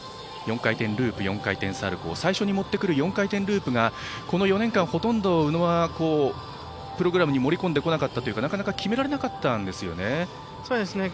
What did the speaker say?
４回転ループ、４回転サルコウ最初に持ってくる４回転ループがこの４年間宇野はプログラムに盛り込んでこなかったというかなかなか決められなかったんですよね。